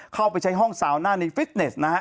เข้าไปใช้ห้องสาวหน้าในฟิตเนสนะฮะ